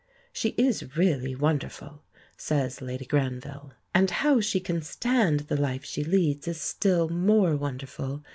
"She is really wonderful," says Lady Granville; "and how she can stand the life she leads is still more wonderful.